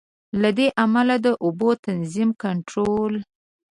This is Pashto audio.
له دې امله د اوبو تنظیم، کنټرول.